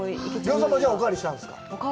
餃子もおかわりしたんですか？